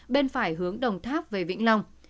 bên phải hướng đồng tháp về vĩnh long